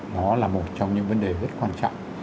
đó là một trong những vấn đề rất quan trọng